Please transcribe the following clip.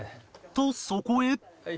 とそこへ